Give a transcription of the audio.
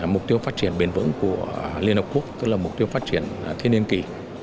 mục tiêu phát triển bền vững của liên hợp quốc tức là mục tiêu phát triển thiên niên kỳ